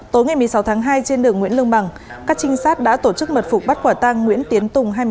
tối ngày một mươi sáu tháng hai trên đường nguyễn lương bằng các trinh sát đã tổ chức mật phục bắt quả tang nguyễn tiến tùng